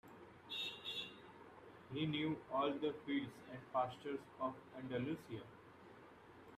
He knew all the fields and pastures of Andalusia.